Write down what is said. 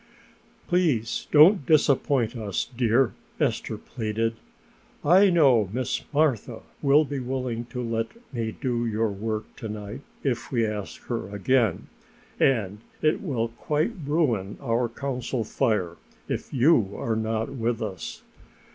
"Please don't disappoint us, dear," Esther pleaded. "I know Miss Martha will be willing to let me do your work to night, if we ask her again, and it will quite ruin our Council Fire if you are not with us.